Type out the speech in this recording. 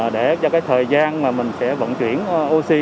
để cho cái thời gian mà mình sẽ vận chuyển oxy